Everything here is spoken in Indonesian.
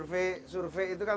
ya survei itu kan